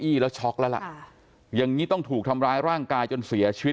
แล้วช็อกแล้วล่ะอย่างนี้ต้องถูกทำร้ายร่างกายจนเสียชีวิต